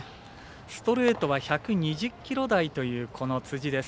ストレートは１２０キロ台というこの辻です。